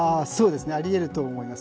ありえると思います。